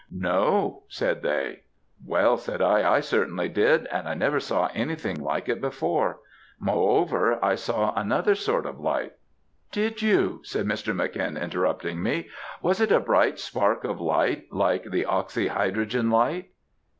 "'No,' said they. "'Well,' said I, 'I certainly did, and I never saw anything like it before. Moreover, I saw another sort of light.' "'Did you,' said Mr. Mc. N., interrupting me; 'was it a bright spark of light like the oxy hydrogen light.'